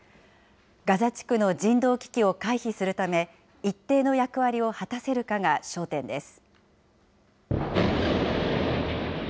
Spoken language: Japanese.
ガザ地区の人道危機を回避するため、一定の役割を果たせるかが焦点です。